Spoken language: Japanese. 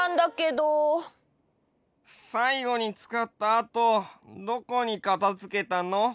さいごにつかったあとどこにかたづけたの？